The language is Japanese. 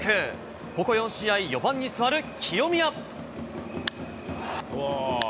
ここ４試合、４番に座る清宮。